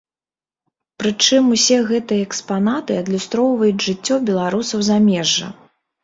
Прычым усе гэтыя экспанаты адлюстроўваюць жыццё беларусаў замежжа.